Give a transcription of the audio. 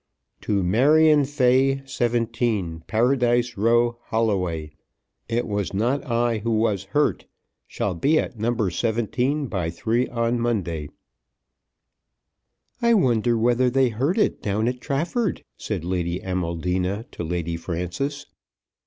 To Marion Fay, 17, Paradise Row, Holloway. It was not I who was hurt. Shall be at No. 17 by three on Monday. "I wonder whether they heard it down at Trafford," said Lady Amaldina to Lady Frances.